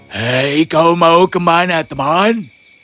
hei kau mau ke mana teman